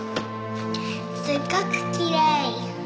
すごくきれい。